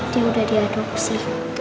dia udah diadopsi